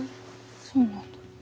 そうなんだ。